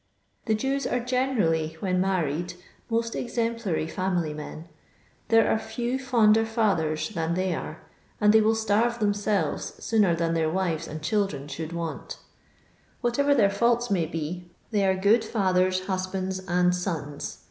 The Jews are generally, when married, most exemplary £unily men. There are few fonder fiithers than they are, and they will starve themselves so6ner than their wives and children should want Whatever their fisnlts may be, they are good LONDON LABOUR AND THE LONDON POOR. 121 fathers^ hmbands, and soni.